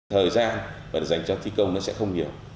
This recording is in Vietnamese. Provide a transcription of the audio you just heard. thời gian dành cho thi công sẽ không nhiều